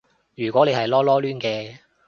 如果你係囉囉攣嘅